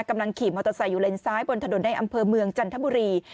กำลังขี่มอเตอร์ไซค์อยู่เลนซ้ายบนถนนในอำเภอเมืองจันทบุรี